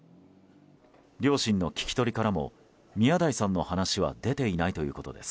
両親の聞き取りからも宮台さんの話は出ていないということです。